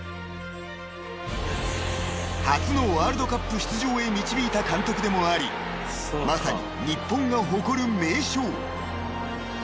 ［初のワールドカップ出場へ導いた監督でもありまさに日本が誇る名将］